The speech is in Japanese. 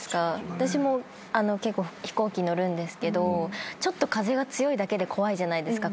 私も結構飛行機乗るんですけどちょっと風が強いだけで怖いじゃないですか。